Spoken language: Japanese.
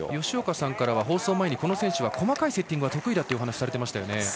吉岡さんからは放送前にこの選手は細かいセッティングが得意だという話をされていましたよね。